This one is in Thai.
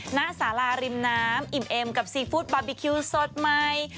ณสาราริมน้ำอิ่มเอ็มกับซีฟู้ดบาร์บีคิวสดใหม่